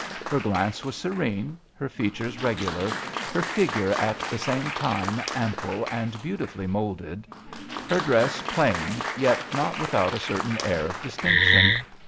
Her glance was serene, her features regular, her figure at the same time ample and beautifully moulded ; her dress plain yet not without a certain air of distinction.